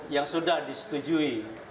yang sudah disetujui